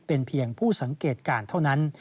เป็นเพียงผู้สังเกตการณ์เท่านั้น